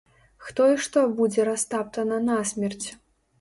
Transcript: Хто і што будзе растаптана насмерць?!